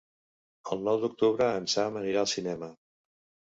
El nou d'octubre en Sam anirà al cinema.